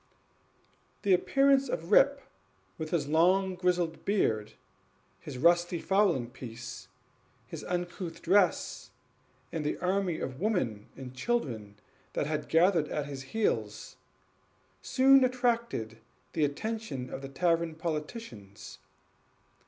The appearance of Rip, with his long grizzled beard, his rusty fowling piece, his uncouth dress, and an army of women and children at his heels, soon attracted the attention of the tavern politicians.